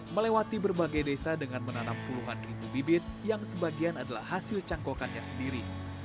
melewati berbagai desa dengan menanam puluhan ribu bibit yang sebagian adalah hasil cangkokannya sendiri